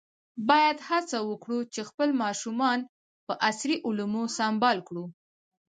باید هڅه وکړو چې خپل ماشومان په عصري علومو سمبال کړو.